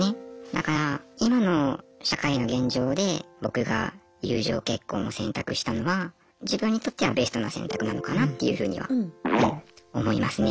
だから今の社会の現状で僕が友情結婚を選択したのは自分にとってはベストな選択なのかなっていうふうには思いますね。